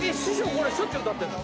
これしょっちゅう歌ってんの？